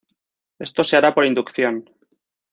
Esto se hará por inducción.